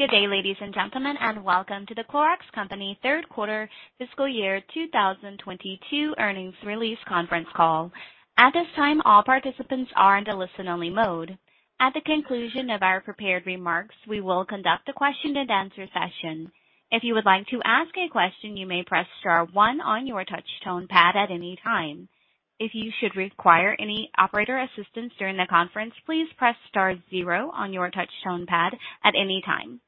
Good day, ladies and gentlemen, and welcome to The Clorox Company third quarter fiscal year 2022 earnings release conference call. At this time, all participants are in a listen-only mode. At the conclusion of our prepared remarks, we will conduct a question-and-answer session. If you would like to ask a question, you may press star one on your touch tone pad at any time. If you should require any operator assistance during the conference, please press star zero on your touch tone pad at any time.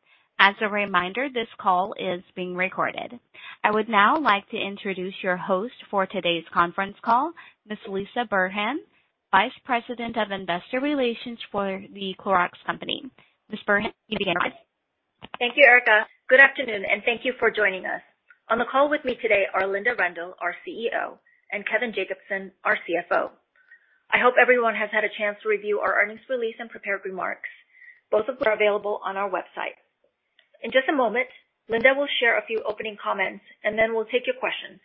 As a reminder, this call is being recorded. I would now like to introduce your host for today's conference call, Ms. Lisette DeHaas, Vice President of Investor Relations for The Clorox Company. Ms. Burhan, you may begin. Thank you, Erica. Good afternoon, and thank you for joining us. On the call with me today are Linda Rendle, our CEO, and Kevin Jacobsen, our CFO. I hope everyone has had a chance to review our earnings release and prepared remarks. Both of them are available on our website. In just a moment, Linda will share a few opening comments, and then we'll take your questions.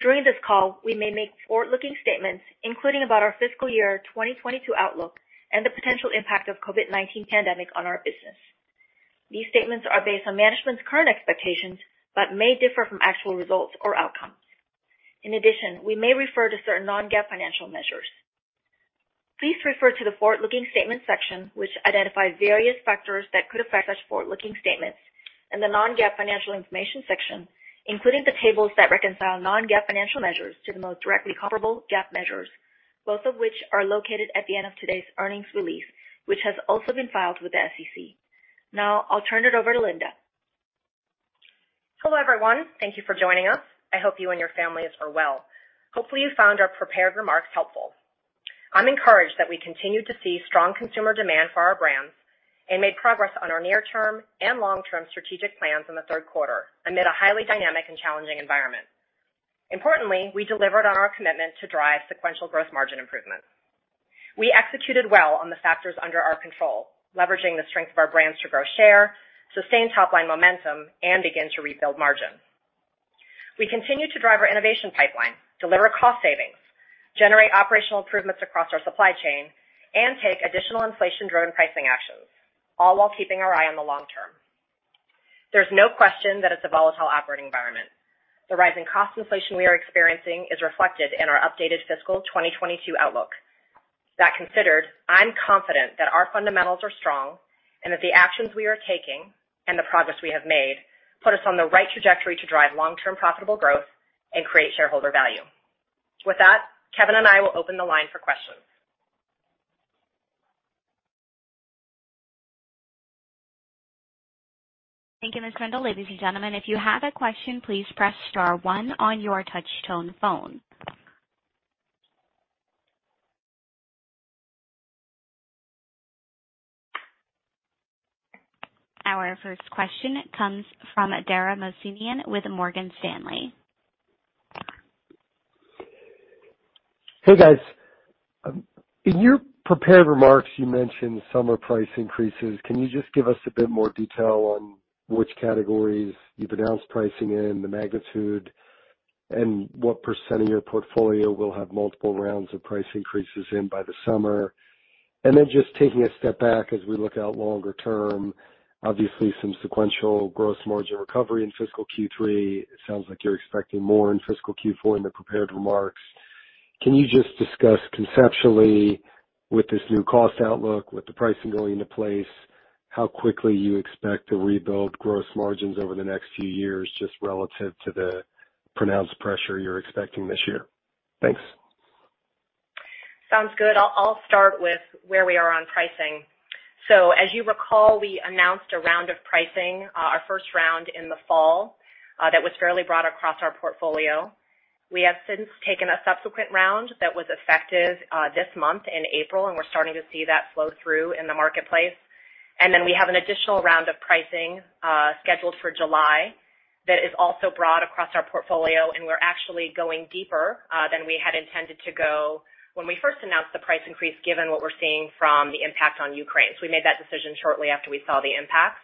During this call, we may make forward-looking statements, including about our fiscal year 2022 outlook and the potential impact of COVID-19 pandemic on our business. These statements are based on management's current expectations, but may differ from actual results or outcomes. In addition, we may refer to certain non-GAAP financial measures. Please refer to the Forward-Looking Statements section, which identifies various factors that could affect such forward-looking statements, and the Non-GAAP Financial Information section, including the tables that reconcile non-GAAP financial measures to the most directly comparable GAAP measures, both of which are located at the end of today's earnings release, which has also been filed with the SEC. Now, I'll turn it over to Linda. Hello, everyone. Thank you for joining us. I hope you and your families are well. Hopefully, you found our prepared remarks helpful. I'm encouraged that we continued to see strong consumer demand for our brands and made progress on our near-term and long-term strategic plans in the third quarter amid a highly dynamic and challenging environment. Importantly, we delivered on our commitment to drive sequential growth margin improvements. We executed well on the factors under our control, leveraging the strength of our brands to grow share, sustain top-line momentum, and begin to rebuild margin. We continued to drive our innovation pipeline, deliver cost savings, generate operational improvements across our supply chain, and take additional inflation-driven pricing actions, all while keeping our eye on the long term. There's no question that it's a volatile operating environment. The rising cost inflation we are experiencing is reflected in our updated fiscal 2022 outlook. That considered, I'm confident that our fundamentals are strong and that the actions we are taking and the progress we have made put us on the right trajectory to drive long-term profitable growth and create shareholder value. With that, Kevin and I will open the line for questions. Thank you, Ms. Rendle. Ladies and gentlemen, if you have a question, please press star one on your touch tone phone. Our first question comes from Dara Mohsenian with Morgan Stanley. Hey, guys. In your prepared remarks, you mentioned summer price increases. Can you just give us a bit more detail on which categories you've announced pricing in, the magnitude, and what % of your portfolio will have multiple rounds of price increases in by the summer? Just taking a step back as we look out longer term, obviously some sequential gross margin recovery in fiscal Q3. It sounds like you're expecting more in fiscal Q4 in the prepared remarks. Can you just discuss conceptually with this new cost outlook, with the pricing going into place, how quickly you expect to rebuild gross margins over the next few years, just relative to the pronounced pressure you're expecting this year? Thanks. Sounds good. I'll start with where we are on pricing. As you recall, we announced a round of pricing, our first round in the fall, that was fairly broad across our portfolio. We have since taken a subsequent round that was effective this month in April, and we're starting to see that flow through in the marketplace. We have an additional round of pricing scheduled for July that is also broad across our portfolio, and we're actually going deeper than we had intended to go when we first announced the price increase, given what we're seeing from the impact on Ukraine. We made that decision shortly after we saw the impacts.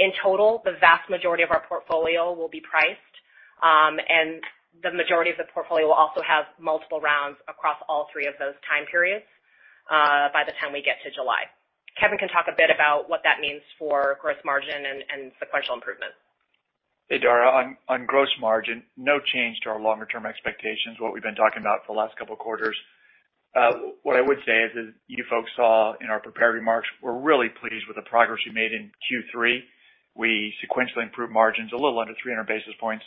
In total, the vast majority of our portfolio will be priced, and the majority of the portfolio will also have multiple rounds across all three of those time periods, by the time we get to July. Kevin can talk a bit about what that means for gross margin and sequential improvements. Hey, Dara. On gross margin, no change to our longer-term expectations, what we've been talking about for the last couple of quarters. What I would say is, as you folks saw in our prepared remarks, we're really pleased with the progress we made in Q3. We sequentially improved margins a little under 300 basis points.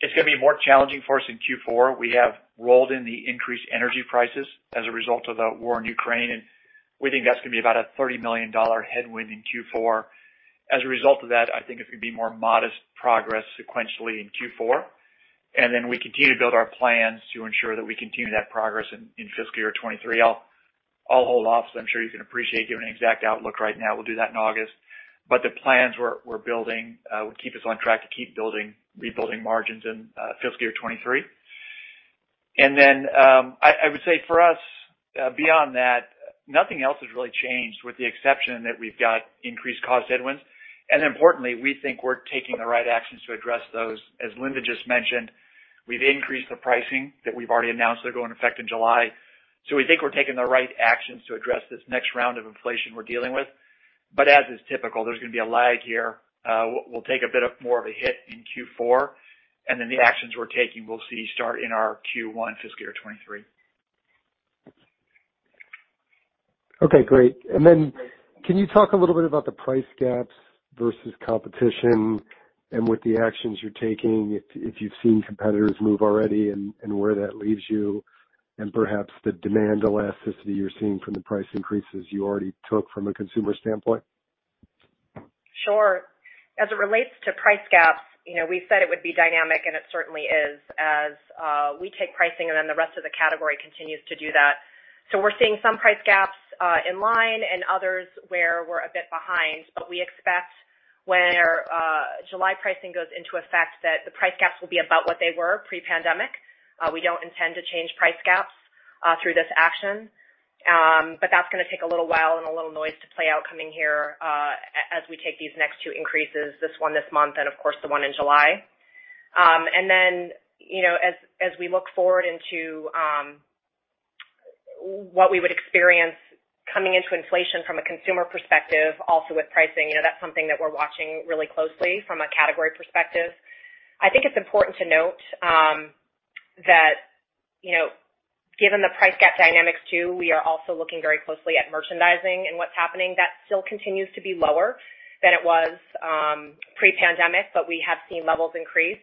It's going to be more challenging for us in Q4. We have rolled in the increased energy prices as a result of the war in Ukraine, and we think that's going to be about a $30 million headwind in Q4. As a result of that, I think it's going to be more modest progress sequentially in Q4. We continue to build our plans to ensure that we continue that progress in fiscal year 2023. I'll hold off, as I'm sure you can appreciate, giving an exact outlook right now. We'll do that in August. The plans we're building would keep us on track to keep building, rebuilding margins in fiscal year 2023. Then, I would say for us, beyond that, nothing else has really changed with the exception that we've got increased cost headwinds. Importantly, we think we're taking the right actions to address those, as Linda just mentioned. We've increased the pricing that we've already announced that'll go in effect in July. We think we're taking the right actions to address this next round of inflation we're dealing with. As is typical, there's going to be a lag here. We'll take a bit more of a hit in Q4, and then the actions we're taking, we'll see start in our Q1 fiscal year 2023. Okay, great. Can you talk a little bit about the price gaps versus competition and with the actions you're taking if you've seen competitors move already and where that leaves you and perhaps the demand elasticity you're seeing from the price increases you already took from a consumer standpoint? Sure. As it relates to price gaps, you know, we said it would be dynamic, and it certainly is as we take pricing and then the rest of the category continues to do that. We're seeing some price gaps in line and others where we're a bit behind. We expect where July pricing goes into effect, that the price gaps will be about what they were pre-pandemic. We don't intend to change price gaps through this action. That's going to take a little while and a little noise to play out coming here as we take these next two increases, this one this month and of course, the one in July. You know, as we look forward into what we would experience coming into inflation from a consumer perspective, also with pricing, you know, that's something that we're watching really closely from a category perspective. I think it's important to note that, you know, given the price gap dynamics too, we are also looking very closely at merchandising and what's happening. That still continues to be lower than it was pre-pandemic, but we have seen levels increase.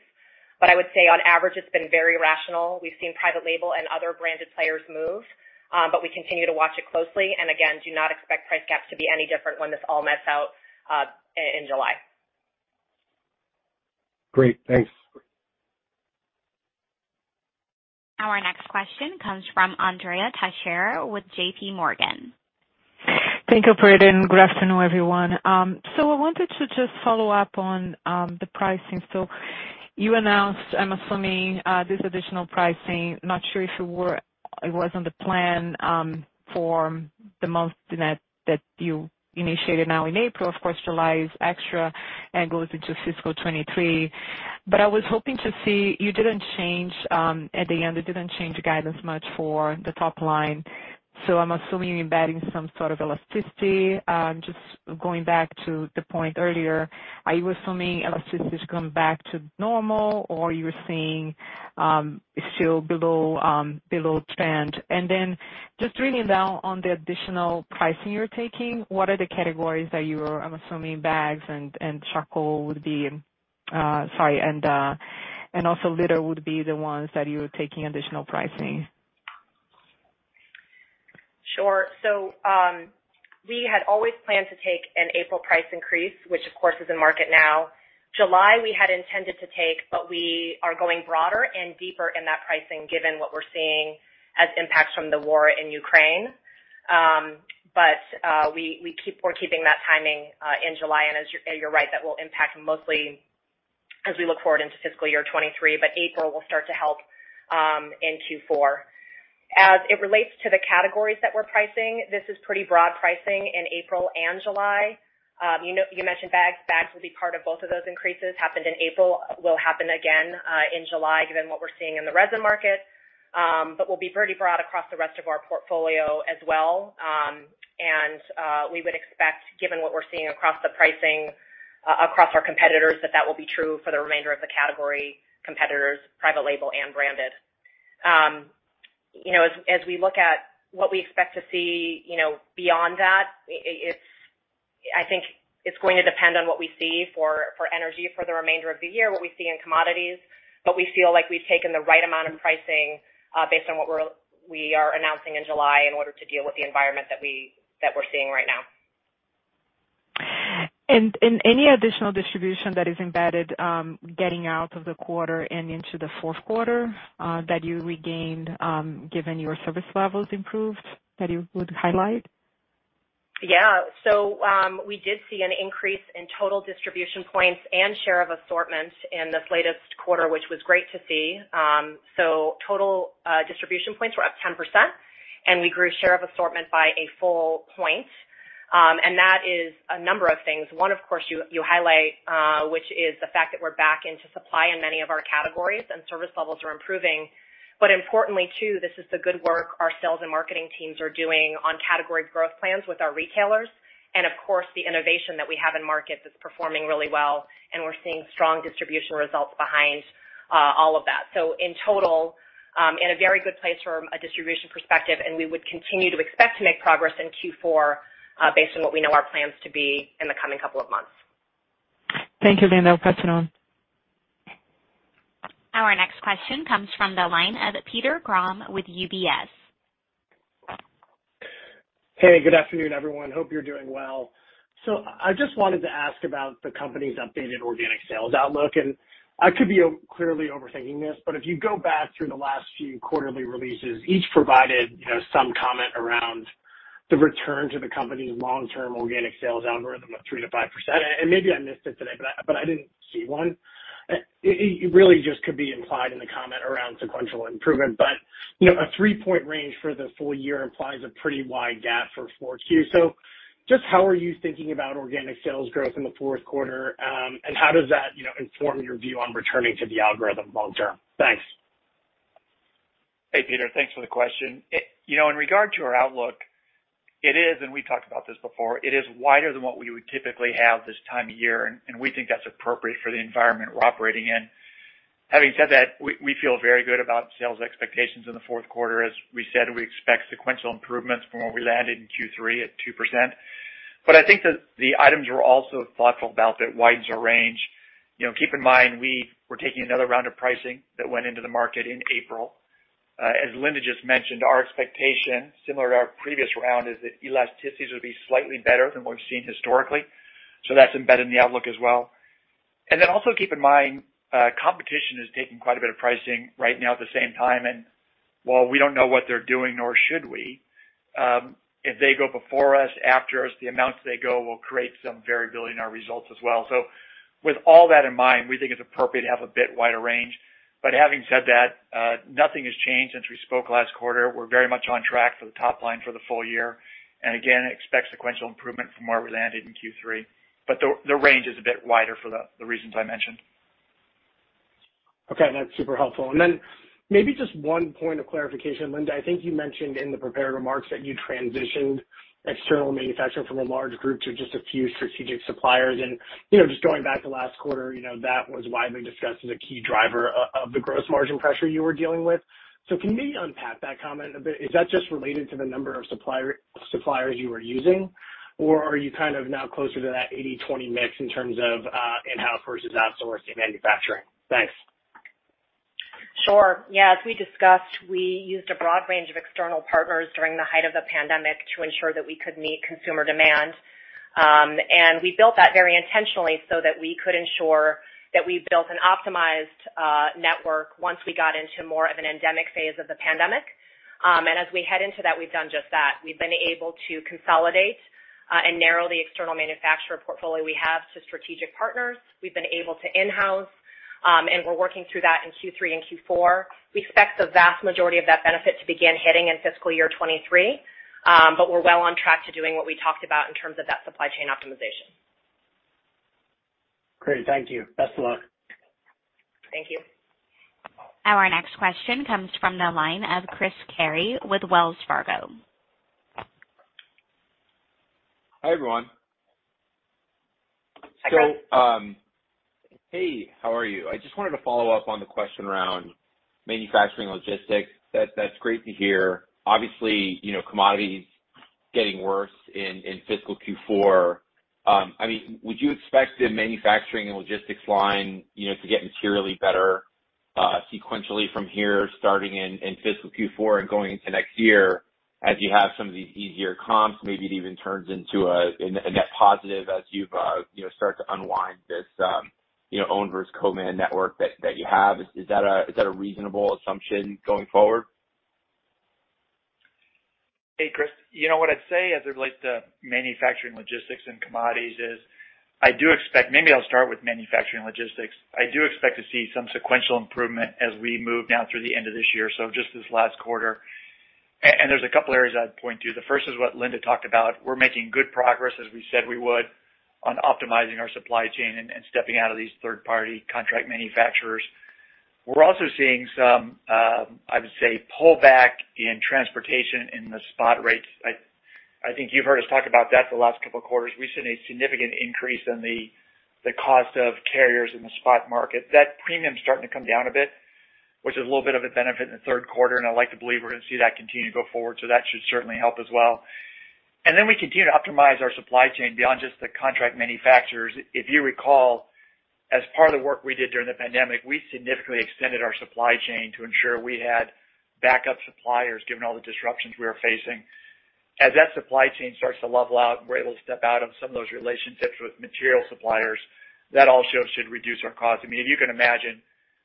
I would say on average, it's been very rational. We've seen private label and other branded players move, but we continue to watch it closely. Again, do not expect price gaps to be any different when this all nets out in July. Great. Thanks. Our next question comes from Andrea Teixeira with J.P. Morgan. Thank you, Andrea. Good afternoon, everyone. I wanted to just follow up on the pricing. You announced, I'm assuming, this additional pricing. Not sure if it was on the plan for the Disinfecting Mist that you initiated now in April. Of course, July is extra and goes into fiscal 2023. I was hoping to see. You didn't change the guidance much for the top line. I'm assuming you're embedding some sort of elasticity. Just going back to the point earlier, are you assuming elasticity is coming back to normal or you're seeing still below trend? Just drilling down on the additional pricing you're taking, what are the categories that you are, I'm assuming, bags and charcoal would be, sorry, and also litter would be the ones that you're taking additional pricing? Sure. We had always planned to take an April price increase, which of course is in market now. July, we had intended to take, but we are going broader and deeper in that pricing given what we're seeing as impacts from the war in Ukraine. We're keeping that timing in July. You're right, that will impact mostly as we look forward into fiscal year 2023, but April will start to help in Q4. As it relates to the categories that we're pricing, this is pretty broad pricing in April and July. You know, you mentioned bags. Bags will be part of both of those increases. Happened in April, will happen again in July given what we're seeing in the resin market. We'll be pretty broad across the rest of our portfolio as well. We would expect, given what we're seeing across the pricing across our competitors, that will be true for the remainder of the category competitors, private label and branded. You know, as we look at what we expect to see, you know, beyond that, I think it's going to depend on what we see for energy for the remainder of the year, what we see in commodities. We feel like we've taken the right amount of pricing, based on what we are announcing in July in order to deal with the environment that we're seeing right now. Any additional distribution that is embedded, getting out of the quarter and into the fourth quarter, that you regained, given your service levels improved, that you would highlight? Yeah. We did see an increase in total distribution points and share of assortment in this latest quarter, which was great to see. Total distribution points were up 10%, and we grew share of assortment by a full point. That is a number of things. One, of course, you highlight, which is the fact that we're back into supply in many of our categories and service levels are improving. Importantly, too, this is the good work our sales and marketing teams are doing on category growth plans with our retailers and of course, the innovation that we have in market that's performing really well, and we're seeing strong distribution results behind all of that. In total, in a very good place from a distribution perspective, and we would continue to expect to make progress in Q4, based on what we know our plans to be in the coming couple of months. Thank you, Lynn. I'll pass it on. Our next question comes from the line of Peter Grom with UBS. Hey, good afternoon, everyone. Hope you're doing well. I just wanted to ask about the company's updated organic sales outlook. I could be clearly overthinking this, but if you go back through the last few quarterly releases, each provided, you know, some comment around the return to the company's long-term organic sales algorithm of 3%-5%. Maybe I missed it today, but I didn't see one. It really just could be implied in the comment around sequential improvement. You know, a 3-point range for the full year implies a pretty wide gap for Q4. Just how are you thinking about organic sales growth in the fourth quarter? And how does that, you know, inform your view on returning to the algorithm long term? Thanks. Hey, Peter. Thanks for the question. You know, in regard to our outlook, it is, and we talked about this before, it is wider than what we would typically have this time of year, and we think that's appropriate for the environment we're operating in. Having said that, we feel very good about sales expectations in the fourth quarter. As we said, we expect sequential improvements from where we landed in Q3 at 2%. I think that the items we're also thoughtful about that widens our range. You know, keep in mind, we were taking another round of pricing that went into the market in April. As Linda just mentioned, our expectation, similar to our previous round, is that elasticities would be slightly better than what we've seen historically. So that's embedded in the outlook as well. Then also keep in mind, competition has taken quite a bit of pricing right now at the same time. While we don't know what they're doing, nor should we, if they go before us, after us, the amounts they go will create some variability in our results as well. With all that in mind, we think it's appropriate to have a bit wider range. Having said that, nothing has changed since we spoke last quarter. We're very much on track for the top line for the full year. Again, expect sequential improvement from where we landed in Q3. The range is a bit wider for the reasons I mentioned. Okay, that's super helpful. Then maybe just one point of clarification. Linda, I think you mentioned in the prepared remarks that you transitioned external manufacturing from a large group to just a few strategic suppliers. You know, just going back to last quarter, you know, that was widely discussed as a key driver of the gross margin pressure you were dealing with. Can you maybe unpack that comment a bit? Is that just related to the number of suppliers you were using, or are you kind of now closer to that 80/20 mix in terms of in-house versus outsourced in manufacturing? Thanks. Sure. Yeah, as we discussed, we used a broad range of external partners during the height of the pandemic to ensure that we could meet consumer demand. We built that very intentionally so that we could ensure that we built an optimized network once we got into more of an endemic phase of the pandemic. As we head into that, we've done just that. We've been able to consolidate and narrow the external manufacturer portfolio we have to strategic partners. We've been able to in-house and we're working through that in Q3 and Q4. We expect the vast majority of that benefit to begin hitting in fiscal year 2023. We're well on track to doing what we talked about in terms of that supply chain optimization. Great. Thank you. Best of luck. Thank you. Our next question comes from the line of Chris Carey with Wells Fargo. Hi, everyone. Hi, Chris. Hey, how are you? I just wanted to follow up on the question around manufacturing logistics. That's great to hear. Obviously, you know, commodities getting worse in fiscal Q4. I mean, would you expect the manufacturing and logistics line, you know, to get materially better sequentially from here, starting in fiscal Q4 and going into next year as you have some of these easier comps, maybe it even turns into a net positive as you've you know, start to unwind this, you know, own versus co-man network that you have? Is that a reasonable assumption going forward? Hey, Chris. You know what I'd say as it relates to manufacturing, logistics and commodities is I do expect. Maybe I'll start with manufacturing logistics. I do expect to see some sequential improvement as we move now through the end of this year, so just this last quarter. And there's a couple areas I'd point to. The first is what Linda talked about. We're making good progress, as we said we would, on optimizing our supply chain and stepping out of these third-party contract manufacturers. We're also seeing some, I would say, pullback in transportation in the spot rates. I think you've heard us talk about that the last couple of quarters. We've seen a significant increase in the cost of carriers in the spot market. That premium's starting to come down a bit, which is a little bit of a benefit in the third quarter, and I'd like to believe we're going to see that continue to go forward. That should certainly help as well. We continue to optimize our supply chain beyond just the contract manufacturers. If you recall, as part of the work we did during the pandemic, we significantly extended our supply chain to ensure we had backup suppliers given all the disruptions we were facing. As that supply chain starts to level out and we're able to step out of some of those relationships with material suppliers, that also should reduce our cost. I mean, if you can imagine,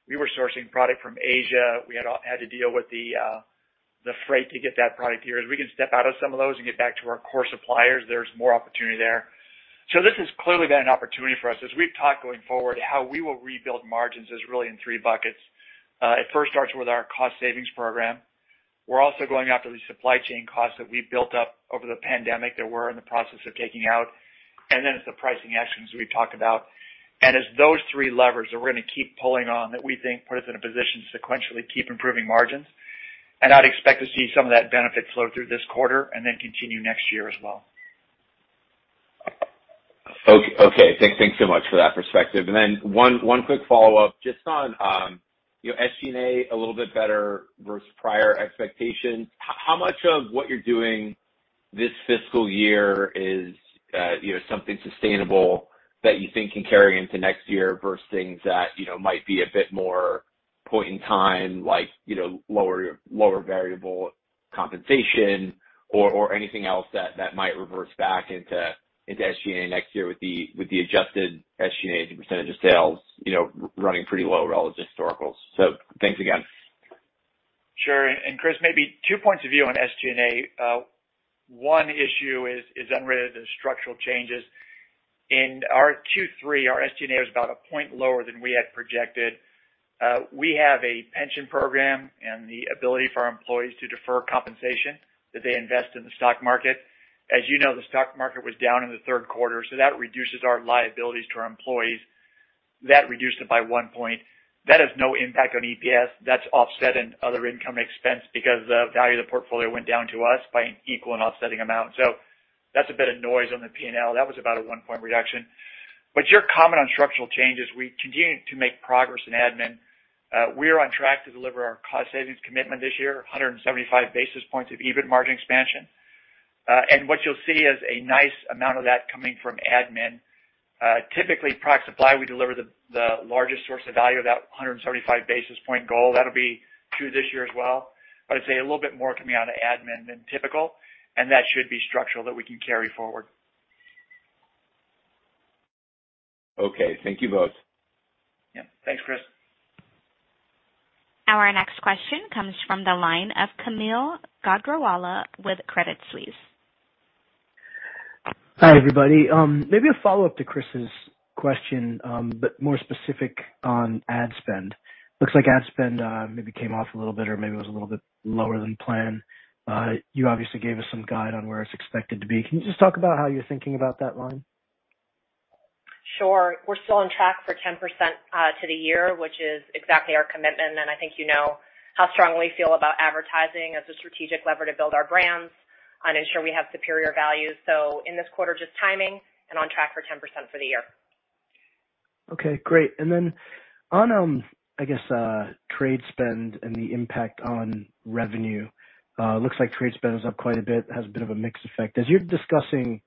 we were sourcing product from Asia. We had to deal with the freight to get that product here. As we can step out of some of those and get back to our core suppliers, there's more opportunity there. This has clearly been an opportunity for us. As we've talked going forward, how we will rebuild margins is really in three buckets. It first starts with our cost savings program. We're also going after the supply chain costs that we built up over the pandemic that we're in the process of taking out. Then it's the pricing actions we've talked about. It's those three levers that we're going to keep pulling on that we think put us in a position to sequentially keep improving margins. I'd expect to see some of that benefit flow through this quarter and then continue next year as well. Okay. Thank you so much for that perspective. One quick follow-up, just on, you know, SG&A a little bit better versus prior expectations. How much of what you're doing this fiscal year is, you know, something sustainable that you think can carry into next year versus things that, you know, might be a bit more point in time, like, you know, lower variable compensation or anything else that might reverse back into SG&A next year with the adjusted SG&A as a percentage of sales, you know, running pretty low relative to historicals? Thanks again. Sure. Chris, maybe two points of view on SG&A. One issue is unrelated to structural changes. In our Q3, our SG&A was about a point lower than we had projected. We have a pension program and the ability for our employees to defer compensation that they invest in the stock market. As you know, the stock market was down in the third quarter, so that reduces our liabilities to our employees. That reduced it by one point. That has no impact on EPS. That's offset in other income expense because the value of the portfolio went down to us by an equal and offsetting amount. That's a bit of noise on the P&L. That was about a one-point reduction. Your comment on structural changes, we continue to make progress in admin. We are on track to deliver our cost savings commitment this year, 175 basis points of EBIT margin expansion. What you'll see is a nice amount of that coming from admin. Typically, proc supply, we deliver the largest source of value of that 175 basis point goal. That'll be true this year as well. I'd say a little bit more coming out of admin than typical, and that should be structural that we can carry forward. Okay. Thank you both. Yeah. Thanks, Chris. Our next question comes from the line of Kaumil Gajrawala with Credit Suisse. Hi, everybody. Maybe a follow-up to Chris's question, but more specific on ad spend. Looks like ad spend maybe came off a little bit or maybe it was a little bit lower than planned. You obviously gave us some guidance on where it's expected to be. Can you just talk about how you're thinking about that line? Sure. We're still on track for 10% to the year, which is exactly our commitment. I think you know how strongly we feel about advertising as a strategic lever to build our brands and ensure we have superior value. In this quarter, just timing and on track for 10% for the year. Okay, great. On, I guess, trade spend and the impact on revenue, looks like trade spend is up quite a bit, has a bit of a mixed effect. As you're discussing,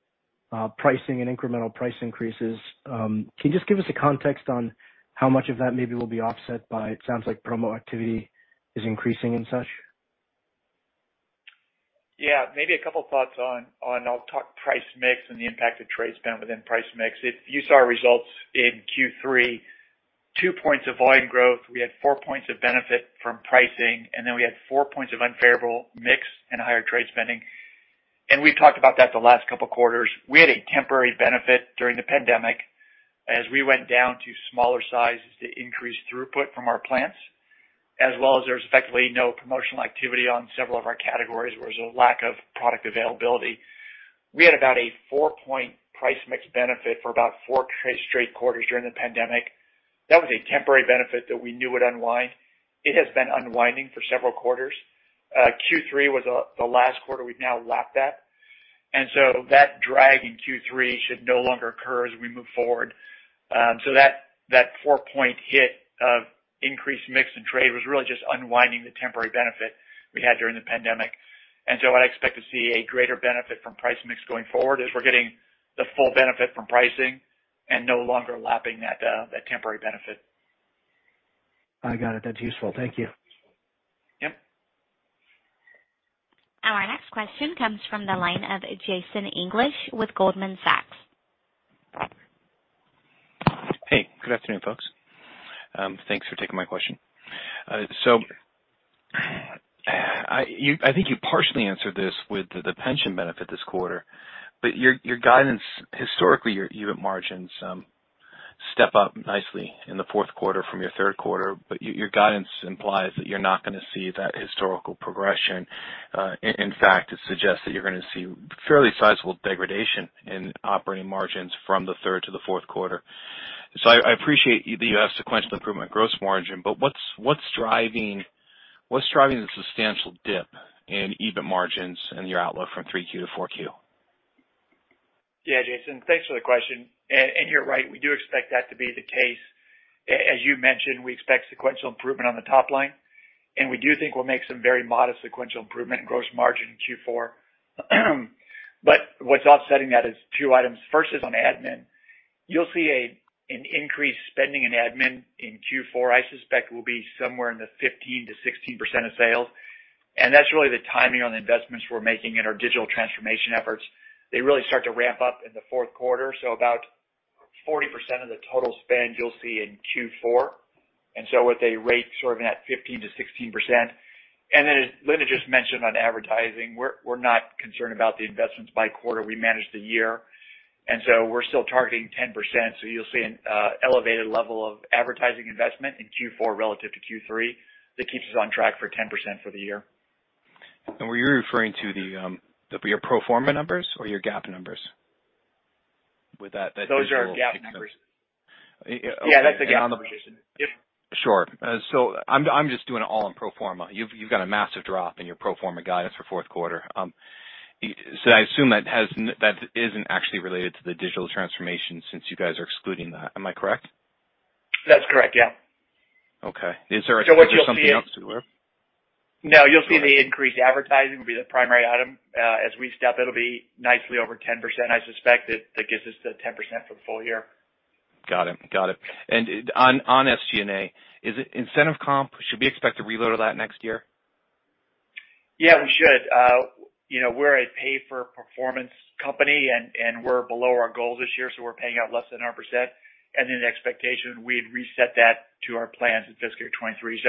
pricing and incremental price increases, can you just give us a context on how much of that maybe will be offset by, it sounds like promo activity is increasing and such? Yeah, maybe a couple of thoughts on. I'll talk price mix and the impact of trade spend within price mix. If you saw our results in Q3, two points of volume growth, we had four points of benefit from pricing, and then we had four points of unfavorable mix and higher trade spending. We've talked about that the last couple of quarters. We had a temporary benefit during the pandemic as we went down to smaller sizes to increase throughput from our plants, as well as there was effectively no promotional activity on several of our categories, where there was a lack of product availability. We had about a 4-point price mix benefit for about four straight quarters during the pandemic. That was a temporary benefit that we knew would unwind. It has been unwinding for several quarters. Q3 was the last quarter. We've now lapped that. That drag in Q3 should no longer occur as we move forward. That 4-point hit of increased mix and trade was really just unwinding the temporary benefit we had during the pandemic. I'd expect to see a greater benefit from price mix going forward as we're getting the full benefit from pricing and no longer lapping that temporary benefit. I got it. That's useful. Thank you. Yep. Our next question comes from the line of Jason English with Goldman Sachs. Hey, good afternoon, folks. Thanks for taking my question. I think you partially answered this with the pension benefit this quarter, but your guidance, historically, your EBIT margins step up nicely in the fourth quarter from your third quarter. Your guidance implies that you're not going to see that historical progression. In fact, it suggests that you're going to see fairly sizable degradation in operating margins from the third to the fourth quarter. I appreciate that you have sequential improvement gross margin, but what's driving the substantial dip in EBIT margins and your outlook from 3Q to 4Q? Yeah, Jason, thanks for the question. You're right, we do expect that to be the case. As you mentioned, we expect sequential improvement on the top line, and we do think we'll make some very modest sequential improvement in gross margin in Q4. What's offsetting that is two items. First is on admin. You'll see an increased spending in admin in Q4. I suspect we'll be somewhere in the 15%-16% of sales. That's really the timing on the investments we're making in our digital transformation efforts. They really start to ramp up in the fourth quarter, so about 40% of the total spend you'll see in Q4. At a rate sort of in that 15%-16%. As Linda just mentioned on advertising, we're not concerned about the investments by quarter. We manage the year, and so we're still targeting 10%. You'll see an elevated level of advertising investment in Q4 relative to Q3 that keeps us on track for 10% for the year. Were you referring to your pro forma numbers or your GAAP numbers with that digital- Those are GAAP numbers. Okay. Yeah, that's the GAAP position. Yep. Sure. I'm just doing it all in pro forma. You've got a massive drop in your pro forma guidance for fourth quarter. I assume that isn't actually related to the digital transformation since you guys are excluding that. Am I correct? That's correct, yeah. Okay. What you'll see. Is there something else to it? No. All right. You'll see the increased advertising will be the primary item. As we step up, it'll be nicely over 10%. I suspect it gets us to 10% for the full year. Got it. On SG&A, is it incentive comp? Should we expect a reload of that next year? Yeah, we should. You know, we're a pay-for-performance company, and we're below our goal this year, so we're paying out less than 100%. The expectation we'd reset that to our plans in fiscal year 2023.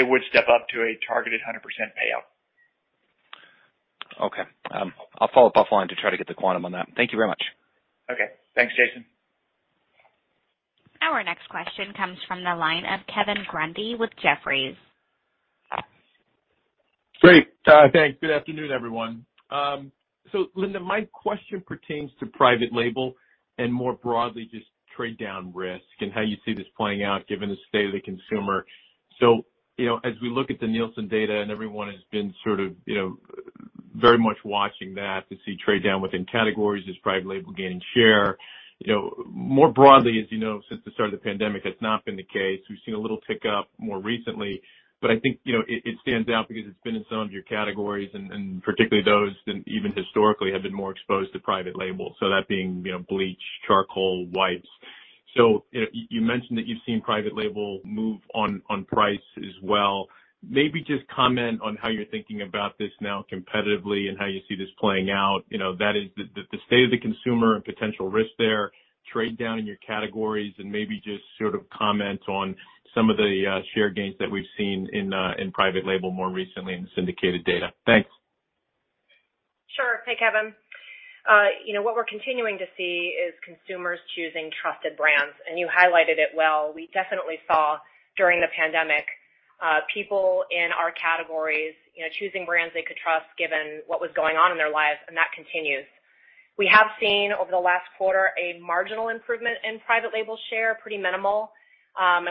It would step up to a targeted 100% payout. Okay. I'll follow up offline to try to get the quantum on that. Thank you very much. Okay. Thanks, Jason. Our next question comes from the line of Kevin Grundy with Jefferies. Great. Thanks. Good afternoon, everyone. Linda, my question pertains to private label and more broadly just trade down risk and how you see this playing out given the state of the consumer. You know, as we look at the Nielsen data, and everyone has been sort of, you know, very much watching that to see trade down within categories as private label gaining share. You know, more broadly, as you know, since the start of the pandemic, that's not been the case. We've seen a little tick up more recently, but I think, you know, it stands out because it's been in some of your categories and particularly those that even historically have been more exposed to private label. That being, you know, bleach, charcoal, wipes. You mentioned that you've seen private label move on price as well. Maybe just comment on how you're thinking about this now competitively and how you see this playing out. You know, that is the state of the consumer and potential risk there, trade down in your categories, and maybe just sort of comment on some of the share gains that we've seen in in private label more recently in the syndicated data. Thanks. Sure. Hey, Kevin. You know, what we're continuing to see is consumers choosing trusted brands, and you highlighted it well. We definitely saw during the pandemic, people in our categories, you know, choosing brands they could trust given what was going on in their lives, and that continues. We have seen over the last quarter a marginal improvement in private label share, pretty minimal.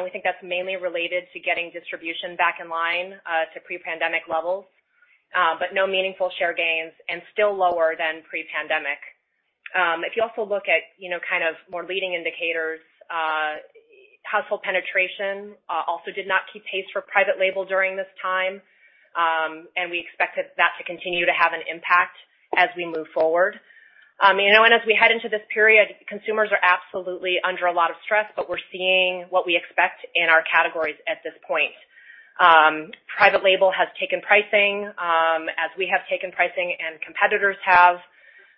We think that's mainly related to getting distribution back in line, to pre-pandemic levels. No meaningful share gains and still lower than pre-pandemic. If you also look at, you know, kind of more leading indicators, household penetration, also did not keep pace for private label during this time. We expected that to continue to have an impact as we move forward. As we head into this period, consumers are absolutely under a lot of stress, but we're seeing what we expect in our categories at this point. Private label has taken pricing, as we have taken pricing and competitors have.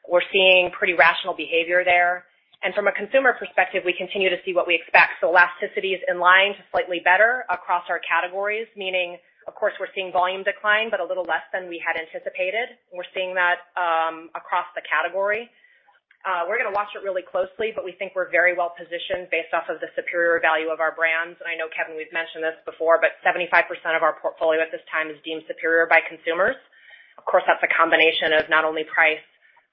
We're seeing pretty rational behavior there. From a consumer perspective, we continue to see what we expect. Elasticity is in line to slightly better across our categories, meaning, of course, we're seeing volume decline, but a little less than we had anticipated. We're seeing that across the category. We're going to watch it really closely, but we think we're very well-positioned based off of the superior value of our brands. I know, Kevin, we've mentioned this before, but 75% of our portfolio at this time is deemed superior by consumers. Of course, that's a combination of not only price,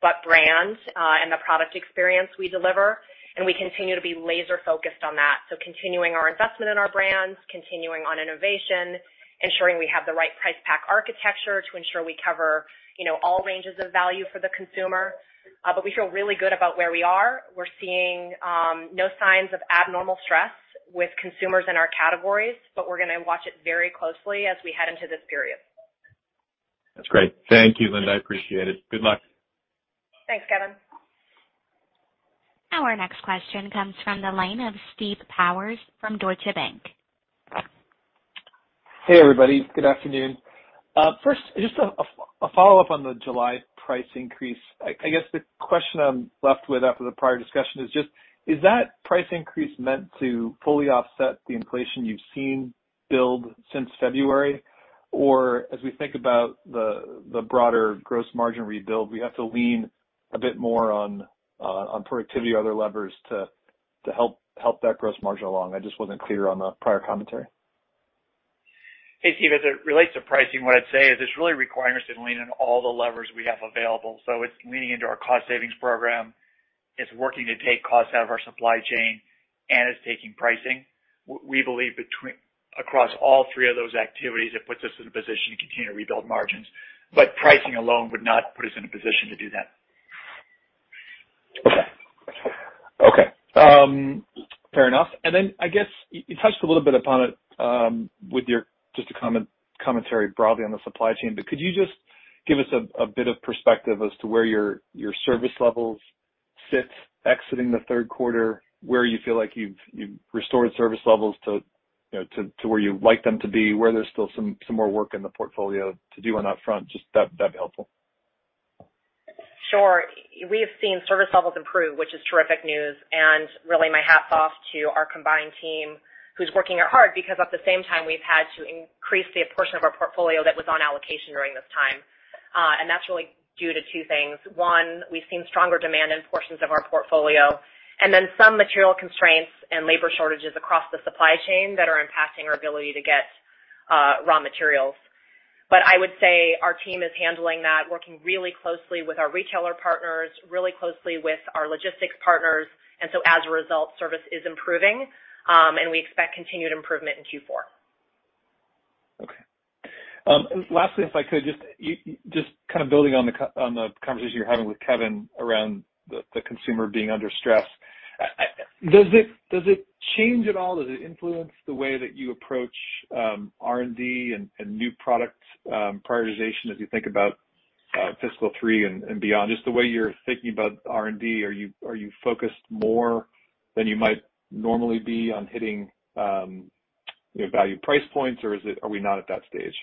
but brand, and the product experience we deliver, and we continue to be laser-focused on that. Continuing our investment in our brands, continuing on innovation, ensuring we have the right price pack architecture to ensure we cover, you know, all ranges of value for the consumer. We feel really good about where we are. We're seeing no signs of abnormal stress with consumers in our categories, but we're going to watch it very closely as we head into this period. That's great. Thank you, Linda. I appreciate it. Good luck. Thanks, Kevin. Our next question comes from the line of Steve Powers from Deutsche Bank. Hey, everybody. Good afternoon. First, just a follow-up on the July price increase. I guess the question I'm left with after the prior discussion is just, is that price increase meant to fully offset the inflation you've seen build since February? Or as we think about the broader gross margin rebuild, we have to lean a bit more on productivity or other levers to help that gross margin along? I just wasn't clear on the prior commentary. Hey, Steve. As it relates to pricing, what I'd say is it's really requiring us to lean on all the levers we have available. It's leaning into our cost savings program. It's working to take costs out of our supply chain, and it's taking pricing. We believe across all three of those activities, it puts us in a position to continue to rebuild margins. Pricing alone would not put us in a position to do that. Okay. Fair enough. I guess you touched a little bit upon it with your just a commentary broadly on the supply chain, but could you just give us a bit of perspective as to where your service levels sit exiting the third quarter, where you feel like you've restored service levels to, you know, to where you'd like them to be, where there's still some more work in the portfolio to do on that front? That'd be helpful. Sure. We have seen service levels improve, which is terrific news, and really my hats off to our combined team who's working hard because at the same time, we've had to increase the portion of our portfolio that was on allocation during this time. That's really due to two things. One, we've seen stronger demand in portions of our portfolio, and then some material constraints and labor shortages across the supply chain that are impacting our ability to get raw materials. I would say our team is handling that, working really closely with our retailer partners, really closely with our logistics partners. As a result, service is improving, and we expect continued improvement in Q4. Okay. Lastly, if I could just you just kind of building on the conversation you're having with Kevin around the consumer being under stress. Does it change at all? Does it influence the way that you approach R&D and new product prioritization as you think about fiscal 2023 and beyond? Just the way you're thinking about R&D, are you focused more than you might normally be on hitting you know value price points, or are we not at that stage?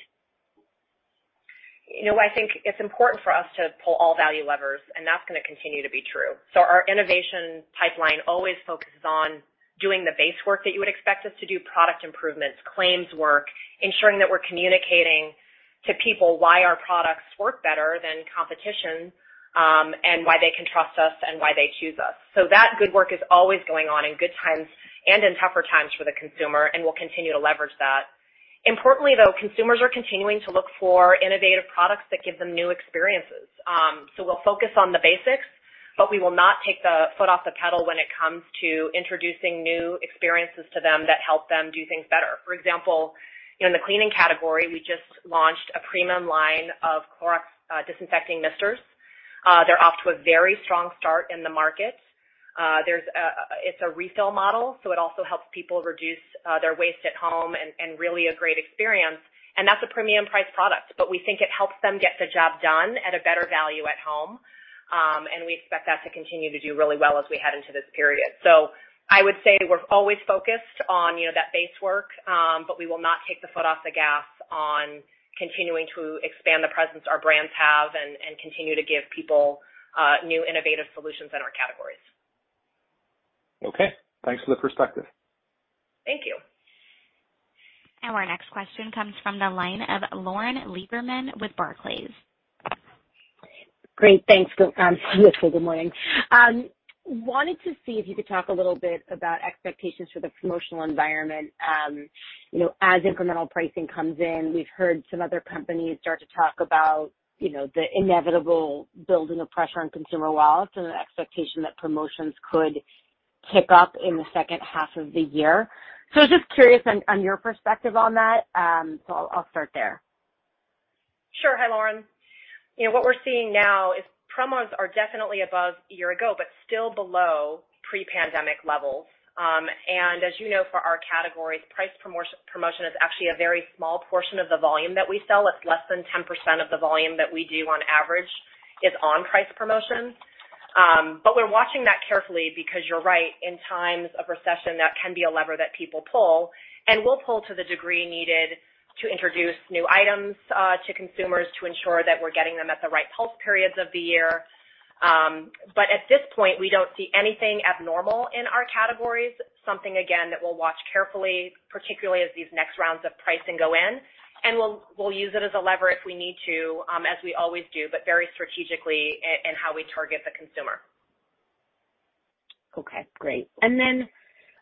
You know, I think it's important for us to pull all value levers, and that's going to continue to be true. Our innovation pipeline always focuses on doing the base work that you would expect us to do, product improvements, claims work, ensuring that we're communicating to people why our products work better than competition, and why they can trust us and why they choose us. That good work is always going on in good times and in tougher times for the consumer, and we'll continue to leverage that. Importantly, though, consumers are continuing to look for innovative products that give them new experiences. We'll focus on the basics, but we will not take the foot off the pedal when it comes to introducing new experiences to them that help them do things better. For example, in the cleaning category, we just launched a premium line of Clorox Disinfecting Mist. They're off to a very strong start in the market. It's a refill model, so it also helps people reduce their waste at home and really a great experience. That's a premium price product, but we think it helps them get the job done at a better value at home. We expect that to continue to do really well as we head into this period. I would say we're always focused on, you know, that base work, but we will not take the foot off the gas on continuing to expand the presence our brands have and continue to give people new innovative solutions in our categories. Okay. Thanks for the perspective. Thank you. Our next question comes from the line of Lauren Lieberman with Barclays. Great. Thanks, Lisa. Good morning. Wanted to see if you could talk a little bit about expectations for the promotional environment, you know, as incremental pricing comes in. We've heard some other companies start to talk about, you know, the inevitable building of pressure on consumer wallets and the expectation that promotions could pick up in the second half of the year. Just curious on your perspective on that. I'll start there. Sure. Hi, Lauren. You know, what we're seeing now is promos are definitely above a year ago, but still below pre-pandemic levels. As you know, for our categories, price promotion is actually a very small portion of the volume that we sell. It's less than 10% of the volume that we do on average is on price promotions. We're watching that carefully because you're right. In times of recession, that can be a lever that people pull, and we'll pull to the degree needed to introduce new items to consumers to ensure that we're getting them at the right pulse periods of the year. At this point, we don't see anything abnormal in our categories, something again that we'll watch carefully, particularly as these next rounds of pricing go in, and we'll use it as a lever if we need to, as we always do, but very strategically in how we target the consumer. Okay, great. Then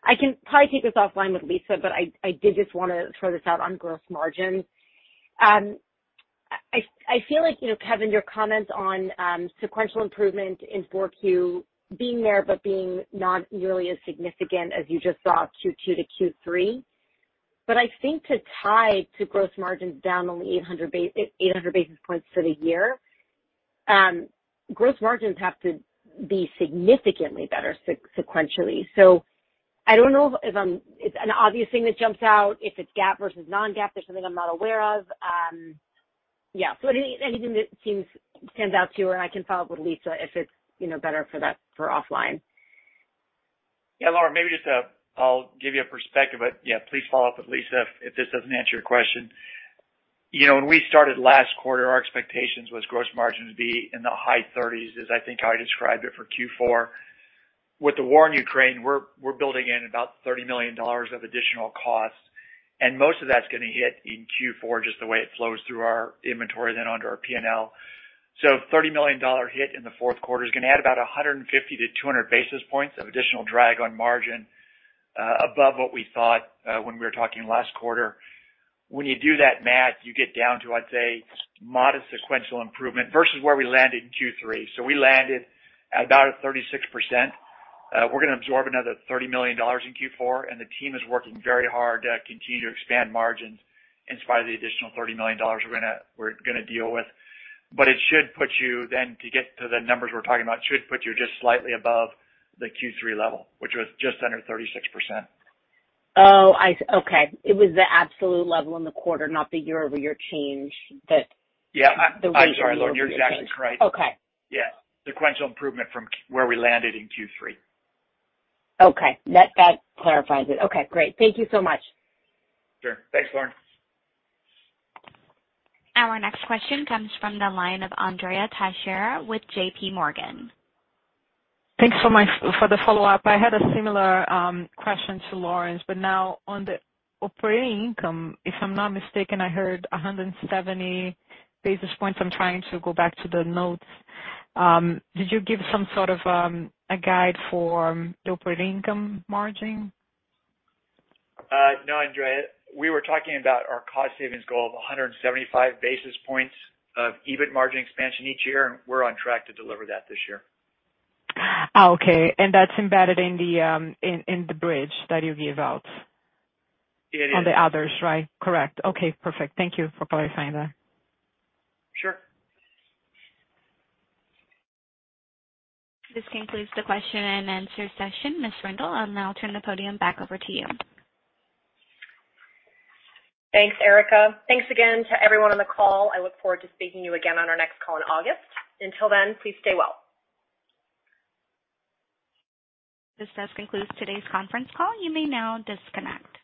I can probably take this offline with Lisa, but I did just want to throw this out on gross margin. I feel like, you know, Kevin, your comments on sequential improvement in Q4 being there, but being not nearly as significant as you just saw Q2 to Q3. I think to tie to gross margins down only 800 basis points for the year, gross margins have to be significantly better sequentially. I don't know if it's an obvious thing that jumps out, if it's GAAP versus non-GAAP. There's something I'm not aware of. Anything that seems to stand out to you, and I can follow up with Lisa if it's, you know, better to take that offline. Yeah, Lauren, maybe just a I'll give you a perspective, but, yeah, please follow up with Lisa if this doesn't answer your question. You know, when we started last quarter, our expectations was gross margin to be in the high thirties, is I think how I described it for Q4. With the war in Ukraine, we're building in about $30 million of additional costs, and most of that's going to hit in Q4, just the way it flows through our inventory then under our P&L. So $30 million hit in the fourth quarter is going to add about 150-200 basis points of additional drag on margin above what we thought when we were talking last quarter. When you do that math, you get down to, I'd say, modest sequential improvement versus where we landed in Q3. We landed at about 36%. We're going to absorb another $30 million in Q4, and the team is working very hard to continue to expand margins in spite of the additional $30 million dollars we're going to deal with. It should put you then to get to the numbers we're talking about, should put you just slightly above the Q3 level, which was just under 36%. Okay. It was the absolute level in the quarter, not the year-over-year change that. Yeah. the way you're looking at the change. I'm sorry, Lauren. You're exactly right. Okay. Yeah. Sequential improvement from where we landed in Q3. Okay. That clarifies it. Okay, great. Thank you so much. Sure. Thanks, Lauren. Our next question comes from the line of Andrea Teixeira with J.P. Morgan. Thanks so much for the follow-up. I had a similar question to Lauren's, but now on the operating income, if I'm not mistaken, I heard 170 basis points. I'm trying to go back to the notes. Did you give some sort of a guide for operating income margin? No, Andrea. We were talking about our cost savings goal of 175 basis points of EBIT margin expansion each year, and we're on track to deliver that this year. Okay. That's embedded in the bridge that you gave out. It is. On the others, right? Correct. Okay, perfect. Thank you for clarifying that. Sure. This concludes the question and answer session. Ms. Rendle, I'll now turn the podium back over to you. Thanks, Erica. Thanks again to everyone on the call. I look forward to speaking to you again on our next call in August. Until then, please stay well. This does conclude today's conference call. You may now disconnect.